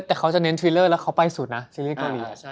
แต่เขาจะเน้นทีเลอร์แล้วเขาไปสุดนะซีรีสเกาหลี